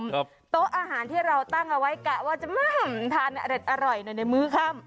โต๊ะอาหารที่เราตั้งเอาไว้กะว่าจะทานอร่อยหน่อยในมื้อค่ำ